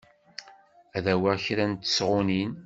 Ad awiɣ kra n tesɣunin.